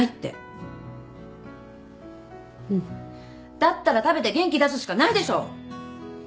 だったら食べて元気出すしかないでしょ！